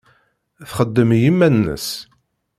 Txeddem i yiman-nnes.